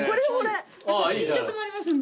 Ｔシャツもありますんで。